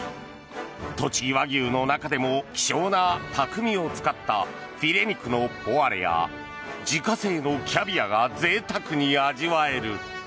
栃木和牛の中でも希少な匠を使ったフィレ肉のポワレや自家製のキャビアがぜいたくに味わえる。